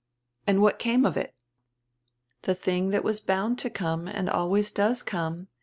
"And what came of it?" "The tiling that was bound to come and always does come.